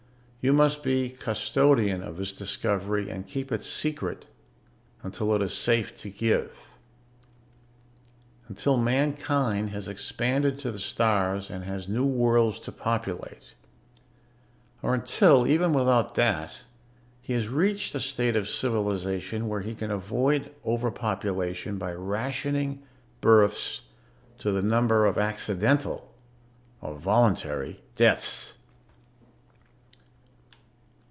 You must be custodian of this discovery and keep it secret until it is safe to give, until mankind has expanded to the stars and has new worlds to populate, or until, even without that, he has reached a state of civilization where he can avoid overpopulation by rationing births to the number of accidental or voluntary deaths.